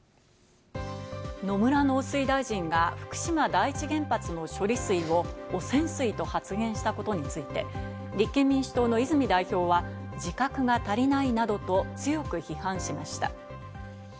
野村農水大臣が福島第一原発の処理水を汚染水と発言したことについて、立憲民主党の泉代表は自覚が足りないなどと強く批判しました。